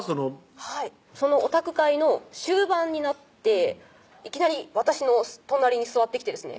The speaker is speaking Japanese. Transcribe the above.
はいそのオタク会の終盤になっていきなり私の隣に座ってきてですね